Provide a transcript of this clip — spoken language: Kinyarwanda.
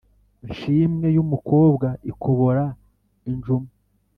nshimwe y'umukobwa ikobora injuma